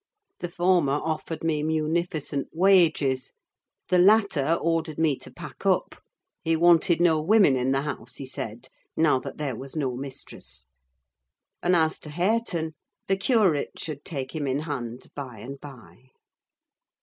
The former offered me munificent wages; the latter ordered me to pack up: he wanted no women in the house, he said, now that there was no mistress; and as to Hareton, the curate should take him in hand, by and by.